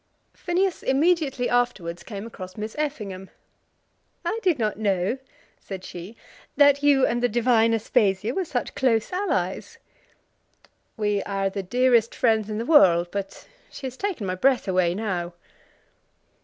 Phineas immediately afterwards came across Miss Effingham. "I did not know," said she, "that you and the divine Aspasia were such close allies." "We are the dearest friends in the world, but she has taken my breath away now."